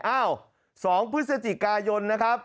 อ้าว๒พฤศจิกายนนะครับ